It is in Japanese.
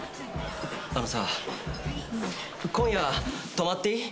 あのさ今夜泊まっていい？